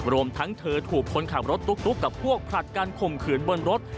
รวมทั้งเธอถูกคนขับรถตุ๊กกับพวกผลัดการข่มขืนบนรถ